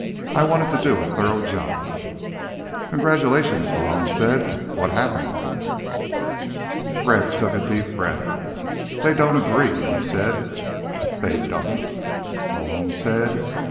I wanted to do a thorough job." "Congratulations," Malone said. "What happened?" Fred took a deep breath. "They don't agree," he said. "They don't?" Malone said.